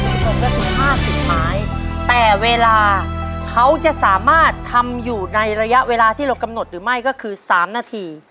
คุณผู้ชมก็คือห้าสิบไม้แต่เวลาเขาจะสามารถทำอยู่ในระยะเวลาที่เรากำหนดหรือไม่ก็คือสามนาที